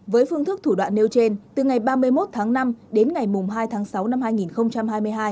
với phương thức thủ đoạn nêu trên từ ngày ba mươi một tháng năm đến ngày hai tháng sáu năm hai nghìn hai mươi hai